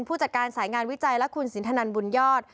ผู้จัดการสายงานวิจัยและคุณสินทนันบุญยอด